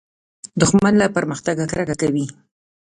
دښمن له پرمختګه کرکه کوي